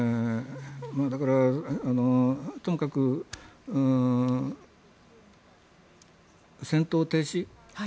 だから、ともかく、戦闘停止。